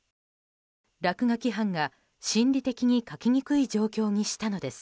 落書き犯が心理的に描きにくい状況にしたのです。